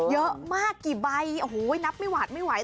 เยอะมากกี่ใบนับไม่หวานไม่ไหว